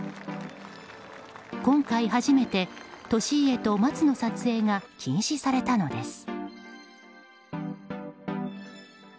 今回初めて利家と松の撮影が禁止されたのです。